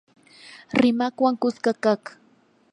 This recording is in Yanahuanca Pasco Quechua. rimaqwan kuska kaq